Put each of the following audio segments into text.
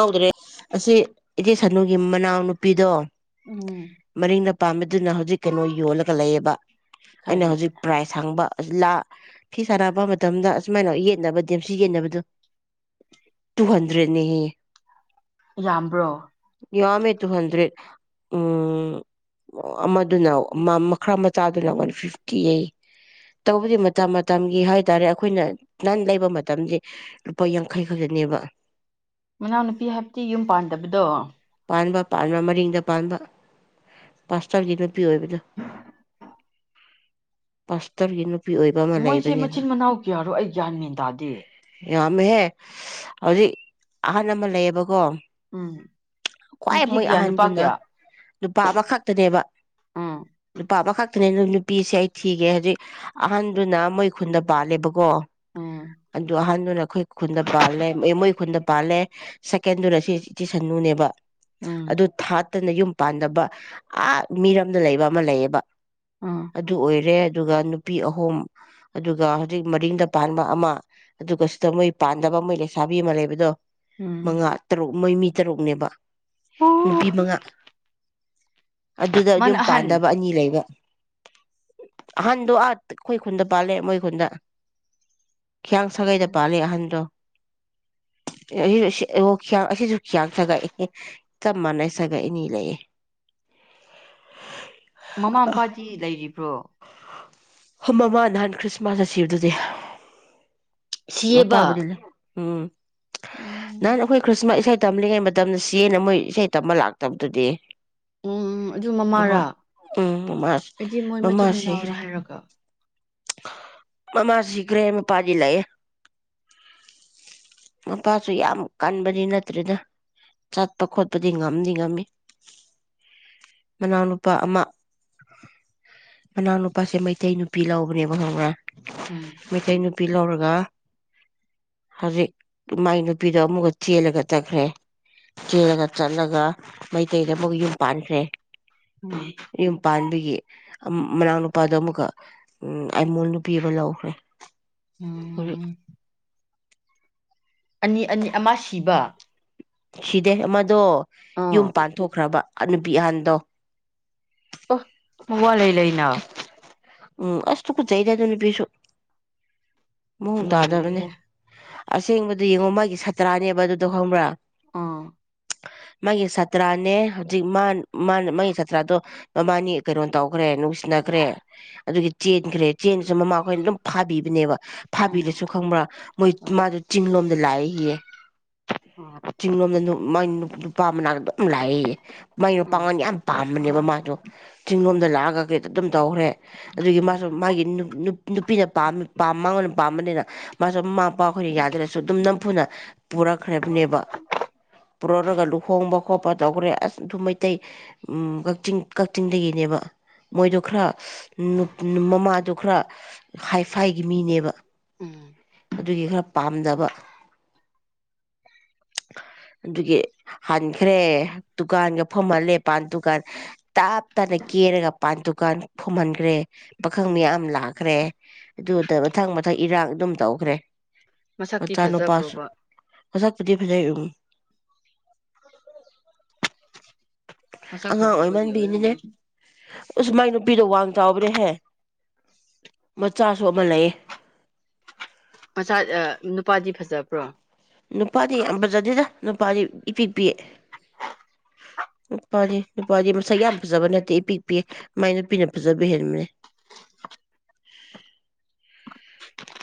ꯥꯎꯗ꯭ꯔꯦ ꯑꯁꯤꯁꯦ ꯁꯥꯅꯨꯒꯤ ꯃꯅꯥꯎꯅꯨꯄꯤꯗꯣ ꯎꯝ ꯃꯔꯤꯡꯅ ꯄꯥꯝꯃꯤꯗꯨꯅ ꯍꯧꯖꯤꯛ ꯀꯩꯅꯣ ꯌꯣꯜꯂꯒ ꯂꯩꯌꯦꯕ ꯑꯩꯅ ꯀꯔꯤ ꯍꯧꯖꯤꯛ ꯄ꯭ꯔꯥꯏꯖ ꯍꯥꯡꯕ ꯐꯤ ꯁꯥꯥꯟꯅꯕ ꯃꯇꯝꯗ ꯑꯁꯨꯃꯥꯏꯅ ꯌꯦꯠꯅꯕ ꯗꯦꯝꯁꯤ ꯌꯦꯠꯅꯕꯗꯨꯣ ꯍꯟꯗ꯭ꯔꯦꯠꯅꯦꯍ ꯌꯥꯝꯕ꯭ꯔꯣ ꯌꯥꯝꯝꯃꯦ ꯇꯨ ꯍꯟꯗ꯭ꯔꯦꯠ ꯎ ꯑꯃꯗꯨꯅ ꯃꯈꯥ ꯃꯆꯥꯗꯨꯅ ꯋꯥꯟ ꯐꯤꯐꯇꯤ ꯌꯩ ꯇꯧꯕꯗꯤ ꯃꯇꯝ ꯃꯇꯝꯒꯤ ꯍꯥꯏꯇꯥꯔꯦ ꯑꯩꯈꯣꯏꯅ ꯅꯍꯟ ꯂꯩꯕ ꯃꯇꯝꯗꯤ ꯂꯨꯄꯥ ꯌꯥꯡꯈꯩ ꯈꯛꯇꯅꯦꯕ ꯃꯅꯥꯎꯅꯨꯄꯤ ꯍꯥꯏꯕꯗꯤ ꯌꯨꯝ ꯄꯥꯟꯗꯕꯗꯣ ꯄꯥꯟꯕ ꯄꯥꯟꯕ ꯃꯔꯤꯡꯗ ꯄꯥꯟꯕ ꯄꯥꯁꯇꯧꯒꯤ ꯄꯤ ꯑꯣꯏ ꯄꯗ ꯄꯥꯁꯇꯔ ꯌꯦꯅ ꯅꯨꯄꯤ ꯑꯣꯏꯕ ꯑꯃ ꯃꯣꯏꯁꯦ ꯂꯩꯕꯅꯦꯕ ꯃꯆꯤꯟ ꯃꯅꯥꯎ ꯀꯌꯥꯔꯣ ꯑꯩ ꯒ꯭ꯌꯥꯟ ꯃꯦꯟ ꯇꯥꯗꯦ ꯌꯥꯝꯃꯦꯍꯦ ꯍꯧꯖꯤꯛ ꯑꯍꯜ ꯑꯃ ꯂꯩꯌꯦꯕꯀꯣ ꯎꯝ ꯈ꯭ꯋꯥꯏ ꯅꯨꯄꯤ ꯃꯣꯏ ꯀꯌꯥ ꯅꯨꯄꯥ ꯑꯍꯟꯗꯨꯅ ꯀꯌꯥ ꯅꯨꯄꯥ ꯑꯃꯈꯛꯇꯅꯦꯕ ꯎꯝ ꯄꯥꯕ ꯈꯛꯇꯅꯦ ꯅꯨꯄꯤꯁꯦ ꯑꯩ ꯊꯤꯒꯦ ꯍꯧꯖꯤꯛ ꯑꯍꯟꯗꯨꯅ ꯃꯣꯏ ꯈꯨꯟꯗ ꯄꯥꯜꯂꯦꯕ ꯀꯣ ꯎꯝ ꯑꯗꯨ ꯑꯍꯥꯟꯕꯗꯨꯅ ꯑꯩꯈꯣꯏ ꯈꯨꯟꯗ ꯄꯥꯜꯅꯦ ꯃꯣꯏ ꯈꯨꯟꯗ ꯄꯥꯜꯂꯦ ꯁꯦꯀꯦꯟꯗꯨꯅ ꯁꯤ ꯏꯆꯤ ꯁꯅꯨꯅꯦꯕ ꯎꯝ ꯑꯗꯨ ꯊꯥ ꯐꯠꯇꯅ ꯌꯨꯝ ꯄꯥꯟꯗꯕ ꯑ ꯃꯤꯔꯣꯝꯗ ꯂꯩꯕ ꯑꯃ ꯂꯩꯌꯦꯕ ꯎꯝ ꯑꯗꯨ ꯑꯣꯏꯔꯦ ꯑꯗꯨꯒ ꯅꯨꯄꯤ ꯑꯍꯨꯝ ꯑꯗꯨꯒ ꯍꯧꯖꯤꯛ ꯃꯔꯤꯡꯗ ꯄꯥꯟꯕ ꯑꯃ ꯑꯗꯨꯒ ꯁꯤꯗ ꯃꯣꯏ ꯄꯥꯟꯗꯕ ꯃꯣꯏ ꯂꯩꯁꯥꯕꯤ ꯑꯃ ꯂꯩꯕꯗꯣ ꯎꯝ ꯃꯉꯥ ꯇꯔꯨꯛ ꯃꯃꯤ ꯇꯔꯨꯛꯅꯦꯕ ꯑꯣ ꯅꯨꯄꯤ ꯃꯉꯥ ꯑꯗꯨꯗ ꯃꯥꯅ ꯌꯨꯝ ꯑꯍꯟ ꯄꯥꯟꯅꯕ ꯑꯅꯤ ꯂꯩꯕ ꯍꯥꯟꯗ ꯑꯠ ꯑꯩꯈꯣꯏ ꯈꯨꯟꯗ ꯄꯂꯦ ꯃꯣꯏ ꯈꯨꯟꯗ ꯍꯤꯌꯥꯡ ꯁꯥꯒꯩꯗ ꯄꯥꯜꯂꯤ ꯑꯍꯟꯗꯣ ꯌꯥ ꯑꯁꯤꯁꯨ ꯈꯌꯥꯡ ꯁꯒꯥꯏ ꯆꯞ ꯃꯥꯟꯅꯩ ꯁꯒ ꯏꯅꯤ ꯂꯩꯌꯦ ꯃꯃꯥ ꯃꯄꯥꯗꯤ ꯂꯩꯔꯤꯕ꯭ꯔꯣ ꯍ ꯃꯃꯥ ꯅꯍꯥꯟ ꯈ꯭ꯔꯤꯁꯃꯥꯁꯇ ꯁꯤꯔꯗꯨꯗꯤ ꯁꯤꯌꯦꯕ ꯎꯝ ꯅꯍꯥꯟ ꯎꯝ ꯑꯩꯈꯣꯏ ꯈ꯭ꯔꯤꯁꯃꯥꯁ ꯢꯁꯩ ꯇꯝꯂꯤꯉꯩ ꯃꯇꯝꯗ ꯁꯤꯦꯅ ꯃꯣꯏ ꯏꯁꯩ ꯇꯝꯕ ꯂꯥꯛꯇꯕꯗꯨꯗꯤ ꯎꯝ ꯑꯗꯨ ꯃꯃꯥ ꯃꯃꯥꯔꯥ ꯎꯝ ꯃꯃꯥ ꯑꯩꯗꯤ ꯃꯣꯏ ꯃꯃꯥ ꯃꯆꯤꯟ ꯃꯅꯥꯎꯔꯥ ꯁꯤꯈ꯭ꯔꯦ [unintelligible] ꯃꯃꯥ ꯁꯤꯈ꯭ꯔꯦ ꯃꯄꯥꯗꯤ ꯂꯥꯛꯑꯦ ꯅꯨꯄꯥꯁꯨ ꯌꯥꯝ ꯀꯟꯕꯗꯤ ꯅꯠꯇ꯭ꯔꯦꯅ ꯆꯠꯄ ꯈꯣꯠꯄꯗꯤ ꯉꯝꯗꯤ ꯉꯝꯃꯤ ꯃꯅꯥꯎꯅꯨꯄꯥ ꯑꯃ ꯃꯅꯥꯎ ꯅꯨꯄꯥꯁꯦ ꯃꯩꯇꯩ ꯅꯨꯄꯤ ꯂꯧꯕꯅꯦꯕ ꯈꯪꯕ꯭ꯔꯥ ꯎꯝ ꯃꯩꯇꯩ ꯅꯨꯄꯤ ꯂꯧꯔꯒ ꯍꯧꯖꯤꯛ ꯏꯃꯥꯏ ꯅꯨꯨꯄꯤꯗꯣ ꯑꯃꯨꯛꯀ ꯆꯦꯜꯂꯒ ꯆꯠꯈ꯭ꯔꯦ ꯆꯦꯜꯂꯒ ꯆꯠꯂꯒ ꯃꯩꯇꯩꯗ ꯑꯃꯨꯛ ꯌꯨꯝ ꯄꯥꯟꯈ꯭ꯔꯦ ꯎꯝ ꯌꯨꯝ ꯄꯥꯟꯕꯒꯤ ꯑꯃ ꯃꯅꯥꯎꯅꯨꯄꯥ ꯅꯨꯄꯥꯗꯣ ꯑꯃꯨꯛꯀ ꯎ ꯑꯥꯏꯃꯣꯟꯜ ꯅꯨꯄꯤ ꯑꯃ ꯂꯧꯈ꯭ꯔꯦ ꯑꯗꯨ ꯎꯝ [unintelligible] ꯑꯅꯤ ꯑꯅꯤ ꯑꯃ ꯁꯤꯕ ꯁꯤꯗꯦ ꯑꯃꯗꯣ ꯑꯥ ꯌꯨꯝ ꯄꯥꯟꯊꯣꯛꯈ꯭ꯔꯕ ꯑꯅꯕꯤꯍꯥꯟꯗꯣ ꯑꯣ ꯋꯥ ꯂꯩ ꯂꯩꯅ ꯎꯝ ꯑꯁ ꯇꯨꯀꯆꯩꯗ ꯑꯗꯨꯢ ꯅꯨꯄꯤꯁꯨ ꯃꯑꯣꯡ ꯇꯥꯗꯕꯅꯦ ꯂꯣꯏꯔꯦꯍꯦ ꯑꯁꯦꯡꯕꯗꯨ ꯌꯦꯡꯉꯣ ꯃꯥꯒꯤ ꯁꯥꯇ꯭ꯔꯥꯅꯦꯕ ꯑꯗꯨꯗꯣ ꯈꯪꯕ꯭ꯔꯥ ꯑꯥ ꯃꯥꯒꯤ ꯁꯥꯇ꯭ꯔꯥꯅꯦ ꯍꯧꯖꯤꯛ ꯃꯥ ꯃꯥ ꯃꯥꯒꯤ ꯁꯥꯇ꯭ꯔꯥꯗꯣ ꯃꯃꯥꯅꯤ ꯀꯩꯅꯣ ꯇꯧꯈ꯭ꯔꯦ ꯅꯨꯡꯁꯤꯅꯈ꯭ꯔꯦ ꯑꯗꯨꯒꯤ ꯆꯦꯟꯈ꯭ꯔꯦ ꯆꯦꯟꯗꯨꯁꯨ ꯃꯃꯥ ꯑꯥꯈꯣꯏꯅ ꯑꯗꯨꯝ ꯐꯥꯕꯤꯕꯅꯦꯕ ꯎꯝ ꯎꯝ ꯎꯝ ꯎꯝ ꯐꯥꯕꯤꯔꯁꯨ ꯈꯪꯕ꯭ꯔꯥ ꯃꯣꯏ ꯃꯥꯗ ꯆꯤꯡꯂꯣꯝ ꯗ ꯂꯑ ꯍꯌꯦ ꯑ ꯆꯤꯡꯂꯣꯝꯗ ꯃ ꯅꯨꯄꯥ ꯃꯅꯥꯛꯇ ꯑꯗꯨꯝ ꯂꯥꯛꯏꯌꯦ ꯃꯥꯏ ꯅꯨꯄꯥ ꯃꯉꯜ ꯌꯥꯝ ꯄꯥꯝꯕꯅꯦꯕ ꯃꯥꯗꯣ ꯆꯤꯡꯂꯣꯝꯗ ꯎꯝ ꯂꯥꯛꯑꯒ ꯀꯩꯇ ꯑꯗꯨꯝ ꯇꯧꯈ꯭ꯔꯦ ꯑꯗꯨꯒꯤ ꯎꯝ ꯃꯥꯁꯨ ꯃꯥꯒꯤ ꯅꯨꯄꯤꯅ ꯃꯉꯣꯟꯗ ꯄꯝꯅꯤꯅ ꯃꯥꯁ ꯃꯥ ꯃꯄꯥꯈꯣꯏꯅ ꯌꯥꯗ꯭ꯔꯁꯨ ꯑꯗꯨꯝ ꯅꯝꯐꯨꯅ ꯄꯨꯔꯛꯈ꯭ꯔꯕꯅꯦꯕ ꯄꯨꯔꯛꯔꯒ ꯂꯨꯍꯣꯡꯕ ꯈꯣꯠꯄ ꯇꯧꯈ꯭ꯔꯦ ꯑꯁ ꯑꯗꯨ ꯃꯩꯇꯩ ꯎ ꯀꯛꯆꯤꯡ ꯀꯛꯆꯤꯡꯗꯒꯤꯅꯦꯕ ꯃꯣꯏꯗꯣ ꯈꯔ ꯎ ꯃꯃꯥꯗ ꯈ ꯏꯁꯐꯥꯏꯒꯤ ꯃꯤꯅꯦꯕ ꯎꯝ ꯑꯗꯨꯒꯤ ꯈꯔ ꯄꯥꯝꯗꯕ ꯑꯗꯨꯒꯤ ꯍꯟꯈ꯭ꯔꯦ ꯗꯨꯀꯥꯟꯒ ꯐꯝꯍꯜꯂꯦ ꯄꯥꯟ ꯗꯨꯀꯥꯟ ꯇꯥꯞ ꯇꯅ ꯀꯦꯔꯒ ꯃꯄꯥꯟ ꯗꯨꯀꯥꯟ ꯐꯨꯝꯍꯟꯈ꯭ꯔꯦ ꯄꯥꯈꯪ ꯎꯝ ꯃꯌꯥꯝ ꯂꯥꯛꯈ꯭ꯔꯦ ꯑꯗꯨꯗ ꯃꯊꯪ ꯃꯊꯪ ꯏꯔꯥꯡ ꯑꯗꯨꯝ ꯇꯧꯈ꯭ꯔꯦ ꯃꯁꯛꯇꯤ ꯃꯆꯥꯅꯄꯥꯁꯨ ꯐꯖꯕ꯭ꯔꯣꯕ ꯍꯧꯁꯛꯄꯗꯤ ꯂꯩ ꯎ ꯃꯁꯛ ꯑꯉꯥꯡ ꯐꯖꯕꯒꯤ ꯑꯣꯏꯃꯟꯕꯤꯅꯤꯅꯦ ꯑꯣꯏꯔꯝꯅꯤ ꯑꯁ ꯃꯥꯏ ꯅꯨꯄꯤꯗꯣ ꯋꯥꯡ ꯆꯥꯎꯕ꯭ꯔꯦꯍꯦ ꯃꯆꯥ ꯁ ꯑꯃ ꯂꯩꯌꯦ ꯃꯆꯥ ꯅꯨꯄꯥꯗꯤ ꯐꯖꯕ꯭ꯔꯣ ꯅꯨꯄꯥꯗꯤ ꯌꯥꯝ ꯐꯖꯗꯦꯗ ꯅꯨꯄꯥꯗꯤ ꯏꯄꯤꯤꯛ ꯄꯤꯑ ꯅꯨꯄꯥꯗꯤ ꯅꯨꯄꯥꯗꯤ ꯃꯁꯛ ꯌꯥꯝ ꯐꯖꯕ ꯅꯠꯇꯦ ꯏ ꯄꯤꯛꯄꯤ ꯃꯥꯏ ꯅꯨꯄꯤꯅ ꯐꯖꯕ ꯍꯦꯟꯕꯅꯦ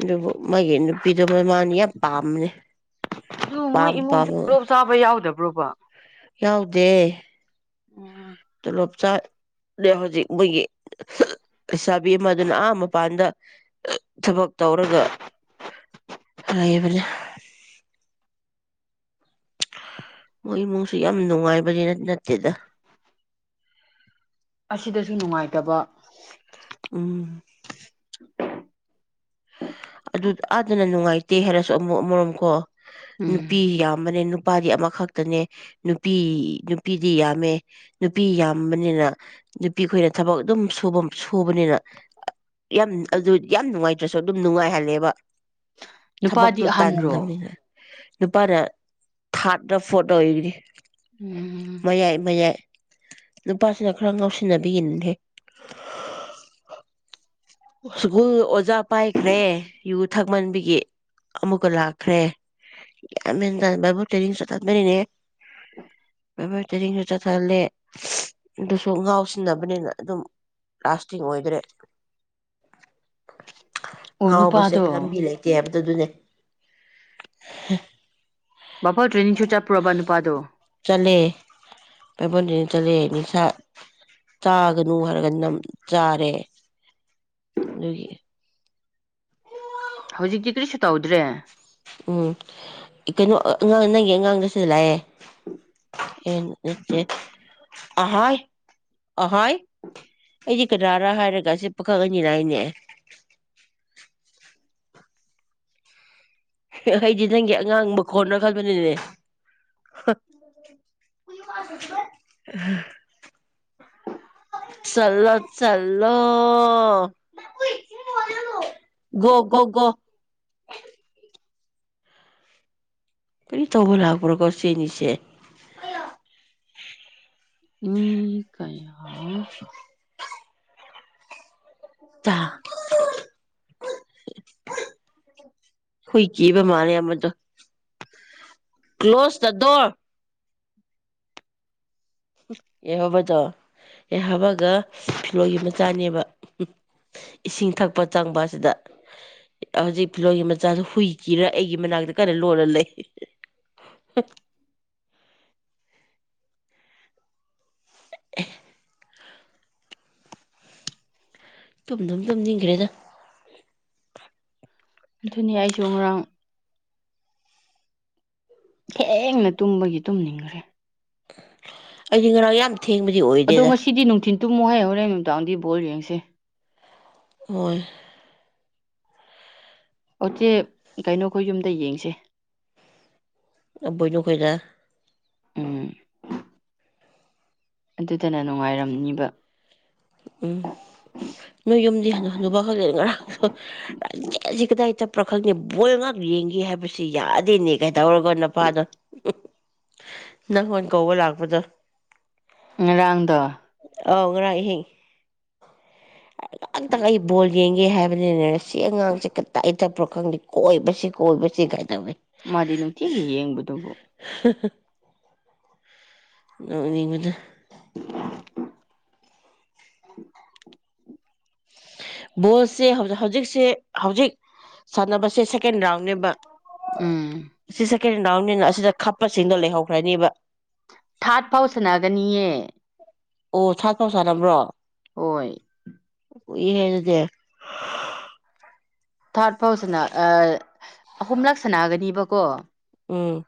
ꯑꯗꯨꯕꯨ ꯃꯥꯒꯤ ꯅꯨꯄꯤꯗꯨ ꯃ ꯃꯥꯅ ꯌꯥꯝ ꯄꯥꯝꯕꯅꯦ ꯃꯣꯏ ꯄꯥꯝ ꯏꯃꯨꯡꯁꯨ ꯄꯥꯝꯃꯒ ꯄꯨꯂꯣꯞ ꯆꯥꯕ ꯌꯥꯎꯗꯕ꯭ꯔꯣꯕ ꯌꯥꯎꯗꯦ ꯎꯝ ꯇ ꯂꯣꯞꯆꯥ ꯑ ꯍꯧꯖꯤꯛ ꯃꯣꯏꯒꯤ ꯂꯩꯁꯥꯕꯤ ꯑꯃ ꯑꯗꯨꯅ ꯑꯥ ꯃꯄꯥꯟꯗ ꯊꯕꯛ ꯇꯧꯔꯒ ꯍꯥꯏꯕꯅꯤ ꯃꯣꯏ ꯏꯃꯨꯡꯁꯨ ꯌꯥꯝ ꯅꯨꯡꯉꯥꯏꯕꯅꯤꯅ ꯅꯠꯇꯦꯗ ꯑꯁꯤꯗꯁꯨ ꯅꯨꯡꯉꯥꯏꯇꯕ ꯎꯝ ꯑꯗꯨ ꯑꯥꯗꯅ ꯅꯨꯡꯉꯥꯏꯇꯦ ꯍꯥꯏꯔꯁꯨ ꯑꯃꯨꯛ ꯑꯃꯔꯣꯝꯀꯣ ꯎꯝ ꯅꯨꯄꯤꯤ ꯌꯥꯝ ꯃꯅꯦꯅ ꯅꯨꯄꯥꯗꯤ ꯑꯃꯈꯛꯇꯅꯦ ꯅꯨꯄꯤ ꯅꯨꯄꯤꯗꯤ ꯌꯥꯝꯃꯦ ꯅꯨꯄꯤ ꯌꯥꯝꯕꯅꯤꯅ ꯅꯨꯄꯤ ꯈꯈꯣꯏꯅ ꯊꯕꯛ ꯑꯗꯨꯝ ꯁ ꯁꯨꯕꯅꯤꯅ ꯌꯥꯝ ꯑꯗꯨ ꯌꯥꯝ ꯅꯨꯡꯉꯥꯏ ꯅ꯭ꯔꯁꯨ ꯑꯗꯨꯝ ꯅꯨꯡꯉꯥꯏꯍꯜꯂꯦꯕ ꯅꯨꯄꯥꯗꯤ ꯊꯕꯛꯇꯣ ꯑꯍꯟꯔꯣ ꯇꯥꯟꯉꯅꯤꯅ ꯂꯨꯄꯥꯅ ꯊꯥꯔꯗ ꯐꯣꯔꯠ ꯑꯣꯏꯒꯅꯤ ꯎꯝ ꯃꯌꯥꯏ ꯃꯌꯥꯏ ꯅꯨꯄꯥꯁꯤꯅ ꯈꯔ ꯉꯥꯎꯁꯤꯟꯅꯕꯤꯒꯤꯦ ꯁ꯭ꯀꯨꯜ ꯑꯣꯖꯥ ꯄꯥꯏꯈ꯭ꯔꯦ ꯌꯨ ꯊꯛꯃꯟꯕꯒꯤ ꯑꯃꯨꯛꯀ ꯂꯥꯛꯈ꯭ꯔꯦ ꯌꯥꯝ ꯍꯦꯟꯊ ꯕꯨ ꯇ꯭ꯔꯦꯅꯤꯡ ꯆꯠꯊꯠꯕꯅꯤꯅꯦ ꯑ ꯃꯦꯕꯔ ꯇꯔꯤꯡꯁꯨ ꯆꯠꯊꯍꯜꯂꯦ ꯑꯗꯨꯁꯨ ꯉꯥꯎꯁꯤꯟꯅꯕꯅꯤꯅ ꯑꯗꯨꯝ ꯂꯥꯁꯇꯤꯡ ꯑꯣꯏꯗ꯭ꯔꯦ ꯑꯣ ꯉꯥꯎꯕꯁꯦ ꯅꯨꯄꯥꯗꯣ ꯂꯝꯕꯤ ꯂꯩꯇꯦ ꯍꯥꯏꯕꯗ ꯑꯗꯨꯅꯦ [unintelligible] ꯄꯔ ꯇ꯭ꯔꯦꯅꯤꯡꯁꯨꯨꯇ ꯄꯔꯕꯥꯅꯨ ꯄꯗ ꯆꯠꯂꯦ ꯄꯥꯏꯕꯣꯟꯗꯤꯅ ꯆꯠꯂꯦ ꯆꯥꯒꯅꯨ ꯍꯥꯏꯔꯒ ꯅꯝ ꯆꯥꯔꯦ ꯑꯗꯨꯒꯤ ꯍꯧꯖꯤꯛꯇꯤ ꯀꯔꯤꯁꯨ ꯇꯧꯗ꯭ꯔꯦ ꯎꯝ ꯀꯩꯅꯣ ꯑꯉꯥꯡ ꯅꯪꯒꯤ ꯑꯉꯥꯡꯗ ꯁꯤꯗ ꯂꯥꯛꯑꯦ ꯅꯠꯇꯦ ꯑꯍꯣꯏ ꯑꯍꯣꯏ ꯑꯩꯗꯤ ꯀꯗꯥꯔ ꯍꯥꯏꯔꯒꯁꯦ ꯄꯥꯈꯛ ꯑꯅꯤꯅꯅꯦ ꯑꯩꯗꯤ ꯅꯪꯒꯤ ꯑꯉꯥꯡ ꯃꯈ ꯀꯣꯟꯅ ꯈꯟꯕꯅꯤꯅꯦ ꯆꯠꯂꯣ ꯆꯠꯂꯣ ꯒꯣ ꯒꯣ ꯒꯣ ꯀꯔꯤ ꯇꯧꯕ ꯂꯥꯛꯄ꯭ꯔꯣ ꯀꯣ ꯁꯤꯅꯤꯁꯦ ꯅ ꯀꯌꯥ ꯍꯨꯏ ꯀꯦꯕ ꯃꯥꯅꯦ ꯑꯃꯗꯣ ꯀ꯭ꯂꯣꯁꯇꯗꯣꯔ ꯑꯦ ꯍꯕꯗꯣ ꯑꯦꯍꯕꯒ ꯐꯤꯔꯣꯒꯤ ꯃꯆꯥꯅꯦꯕ ꯏꯁꯤꯡ ꯊꯛꯄ ꯆꯪꯕ ꯑꯁꯤꯗ ꯍꯧꯖꯤꯛ ꯐꯤꯔꯣꯒꯤ ꯃꯆꯥꯁꯨ ꯍꯨꯏ ꯀꯤꯔ ꯑꯩꯒꯤ ꯃꯅꯥꯛꯇ ꯀꯟꯅ ꯂꯣꯜꯂ ꯂꯩ [unintelligible] ꯇꯨꯝꯗꯨꯝ ꯇꯨꯝ ꯅꯤꯡꯈ꯭ꯔꯦꯗ ꯑꯗꯨꯅꯤ ꯑꯩꯁꯨ ꯉꯔꯥꯡ ꯍꯦꯡꯅ ꯇꯨꯝꯕꯒꯤ ꯇꯨꯝꯅꯤꯡꯈ꯭ꯔꯦ ꯑꯩꯗꯤ ꯉꯔꯥꯡ ꯌꯥꯝ ꯊꯦꯡꯕꯗꯤ ꯑꯣꯏꯗꯦꯗ ꯑꯗꯨꯃ ꯍꯣꯏ ꯍꯣꯔꯦꯟ ꯅꯨꯡꯗꯥꯡꯗꯤ ꯕꯣꯜꯜꯂꯤ ꯌꯦꯡꯁꯦ ꯃꯣꯏ ꯑꯣꯆꯦ ꯀꯩꯅꯣꯈꯣꯏ ꯌꯨꯝꯗ ꯌꯦꯡꯁꯦ ꯑꯕꯣꯏꯅꯈꯣꯏꯗ ꯎꯝ ꯑꯗꯨꯗꯅ ꯅꯨꯡꯉꯥꯏꯔꯝꯅꯤꯕ ꯎꯝ ꯅꯣꯏ ꯌꯨꯝꯗꯤ ꯍꯗ ꯍꯟꯗ ꯈꯛꯗ ꯉꯔꯥꯡꯁꯨꯆꯦꯁꯤ ꯀꯗꯥꯏ ꯆꯞꯄ꯭ꯔꯥ ꯈꯛꯅꯤ ꯕꯣꯏ ꯉꯍꯥꯛ ꯌꯦꯡꯒꯦ ꯍꯥꯏꯕꯁꯤ ꯌꯥꯗꯦꯅꯦ ꯀꯩꯗꯧꯔꯒ ꯅꯨꯄꯥꯗꯣ ꯅꯪꯉꯣꯟ ꯀꯧꯕ ꯂꯥꯛꯄꯗꯣ ꯎ ꯔꯥꯡꯗ ꯑꯧ ꯔꯥꯏꯍꯤꯡ ꯉꯥꯡ ꯇꯛ ꯑꯩ ꯕꯣꯜ ꯌꯦꯡꯒꯦ ꯍꯥꯏꯕꯅꯤꯅꯦ ꯁꯤ ꯑꯉꯥꯡꯁꯦ ꯇꯛꯏ ꯇꯛꯄ꯭ꯔꯥ ꯈꯪꯗꯦ ꯀꯣꯏꯕꯁꯤ ꯀꯕꯨ ꯁꯤꯈꯥꯏꯗꯃꯤꯦ ꯃꯥꯗꯤ ꯅꯨꯡꯇꯤꯒꯤ ꯌꯦꯡꯕꯗꯨꯕꯨ ꯑꯅꯤ ꯀꯗ [unintelligible] ꯕꯣꯜꯁꯦ ꯍꯧꯖꯤꯛꯁꯦ ꯍꯧꯖꯤꯛ ꯁꯥꯟꯅꯕꯁꯦ ꯁꯦꯀꯦꯟ ꯔꯥꯎꯟꯅꯦꯕ ꯎꯝ ꯁꯤꯁ ꯀꯔꯤꯅꯥꯎꯅꯤꯅ ꯑꯁꯤꯗ ꯈꯞꯄꯁꯤꯡꯗꯣ ꯂꯩꯍꯧꯈ꯭ꯔꯅꯦꯕ ꯊꯥꯔꯠ ꯐꯥꯎ ꯁꯥꯟꯅꯒꯅꯤꯑ ꯑꯣ ꯁꯥꯇꯧ ꯆꯥꯟꯅꯕ꯭ꯔꯣ ꯍꯣꯏ ꯏ ꯍꯥꯏꯔꯗꯤ ꯊꯥꯔꯠ ꯐꯥꯎꯁꯤꯅ ꯑꯍꯨꯝꯂꯛ ꯁꯅꯥꯒꯅꯦꯕꯀꯣ ꯎꯝ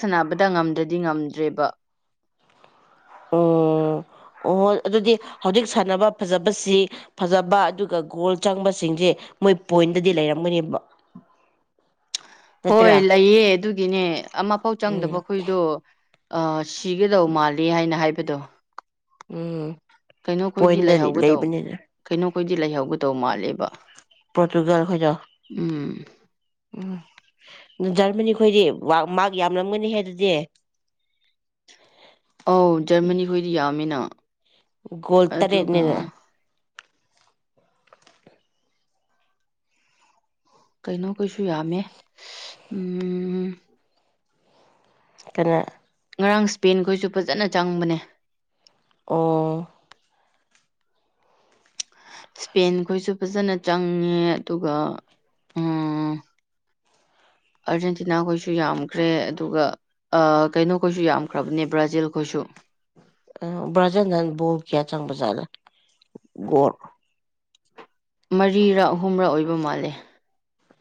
ꯁꯥꯟꯅꯕꯗ ꯉꯝꯗ꯭ꯔꯗꯤ ꯉꯝꯗ꯭ꯔꯦꯕ ꯑꯣ ꯑꯣ ꯍꯣꯏ ꯑꯗꯨꯗꯤ ꯍꯧꯖꯤꯛ ꯁꯥꯟꯅꯕ ꯐꯖꯕꯁꯤ ꯐꯖꯕ ꯑꯗꯨꯒ ꯒꯣꯜ ꯆꯪꯕꯁꯤꯡꯁꯦ ꯃꯣꯏ ꯄꯣꯏꯟꯗꯗꯤ ꯂꯩꯔꯝꯒꯅꯦꯕ ꯍꯣꯏ ꯅꯠꯇ꯭ꯔꯥ ꯂꯩꯑ ꯑꯗꯨꯒꯤꯅꯦ ꯑꯃꯐꯥꯎ ꯎꯝ ꯆꯪꯗꯕꯈꯣꯏꯗꯣ ꯁꯤꯒꯗꯧ ꯃꯥꯜꯂ ꯍꯥꯏꯅ ꯍꯥꯏꯕꯗꯣ ꯎꯝ ꯀꯩꯅꯣꯈꯣꯏꯗꯤ ꯄꯣꯏꯟꯗꯗꯤ ꯂꯩꯍꯧꯒꯗꯧꯕ ꯂꯩꯕꯅꯤꯅ ꯀꯩꯅꯣ ꯑꯩꯈꯣꯏꯗꯤ ꯂꯩꯍꯧꯒꯗꯧ ꯃꯥꯜꯂꯦꯕ ꯄꯣꯇꯨꯒꯜ ꯈꯖ ꯎꯝ ꯎꯝ ꯖꯔꯃꯅꯤ ꯈꯣꯏꯗꯤ ꯃꯔ ꯌꯥꯝꯂꯝꯒꯅꯤ ꯍꯥꯏ ꯑꯗꯨꯗꯤ ꯑꯧ ꯖꯔꯃꯅꯤ ꯈꯣꯏꯗꯤ ꯌꯥꯝꯃꯤꯅ ꯒꯣꯜ ꯑꯗꯨꯒ ꯇꯔꯦꯠꯅꯤꯅ ꯀꯩꯅꯣ ꯀꯩꯁꯨ ꯌꯥꯝꯃꯦ ꯎꯝ ꯀꯅꯥ ꯉꯔꯥꯡ ꯏꯁꯄꯦꯟꯈꯣꯏꯁꯨ ꯐꯖꯅ ꯆꯪꯕꯅꯦ ꯑꯣ ꯏꯁꯄꯦꯟ ꯈꯣꯏꯁꯨ ꯐꯖꯅ ꯆꯪꯉꯦ ꯑꯗꯨꯒ ꯎ ꯑꯥꯔꯖꯦꯟꯇꯤꯅꯥꯈꯣꯏꯁꯨ ꯌꯥꯝꯈ꯭ꯔꯦ ꯑꯗꯨꯒ ꯀꯩꯅꯣꯈꯣꯏꯁꯨ ꯌꯥꯝꯈ꯭ꯔꯕꯅꯦ ꯕ꯭ꯔꯥꯖꯤꯜ ꯈꯣꯏꯁꯨ ꯑ ꯕꯖꯦꯟ ꯅꯅ ꯣꯜ ꯀꯌꯥ ꯆꯪꯕꯁꯥꯂ ꯒꯣꯣꯔ ꯃꯔꯤꯔꯥ ꯑꯍꯨꯝꯔ ꯑꯣꯏꯕ ꯃꯥꯜꯂꯦ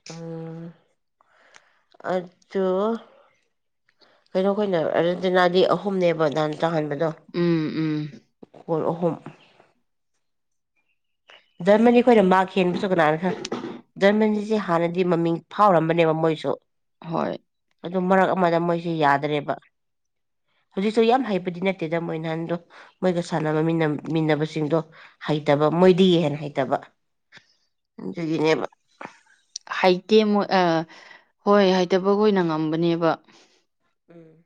ꯑꯝ ꯑꯗꯨ ꯀꯩꯅꯣ ꯑꯩꯈꯣꯏꯅ ꯑꯔꯖꯦꯟꯇꯤꯅꯥꯗꯤ ꯑꯍꯨꯝꯅꯦꯕ ꯗꯥꯟꯁ ꯎꯝ ꯎꯝ ꯜ ꯑꯍꯨꯝ ꯖꯔꯃꯅꯤ ꯑꯩꯈꯣꯏꯅ ꯃꯥ ꯍꯦꯟꯕꯁꯨ ꯀꯅꯥꯅ ꯈꯔ ꯖꯔꯃꯅꯤꯁꯦ ꯍꯥꯟꯅꯗꯤ ꯃꯃꯤꯡ ꯐꯥꯎꯔꯝꯕꯅꯦꯕ ꯃꯣꯏꯁꯨ ꯍꯣꯏ ꯑꯗꯨ ꯃꯔꯛ ꯑꯃꯗ ꯃꯣꯏꯁꯦ ꯌꯥꯗ꯭ꯔꯦꯕ ꯍꯧꯖꯤꯛꯁꯨ ꯌꯥꯝ ꯍꯩꯕꯗꯤ ꯅꯠꯇꯦꯗ ꯃꯣꯏ ꯅꯍꯥꯟꯗꯣ ꯃꯣꯏꯒ ꯁꯥꯟꯅꯕ ꯃꯤꯟꯅꯕꯁꯤꯡꯗꯣ ꯍꯩꯇꯕ ꯃꯣꯏꯗꯤꯍꯦꯅ ꯍꯩꯇꯕ ꯑꯗꯨꯒꯤꯅꯦꯕ ꯍꯥꯏꯇꯦ ꯃꯣꯏ ꯍꯣꯏ ꯍꯥꯏꯇꯕ ꯑꯣꯏꯅ ꯉꯝꯕꯅꯦꯕ ꯎꯝ